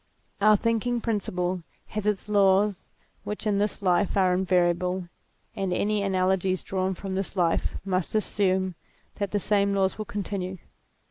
Our thinking principle has its laws which in this life are invariable, and any analogies drawn from this life must assume that the same laws will continue.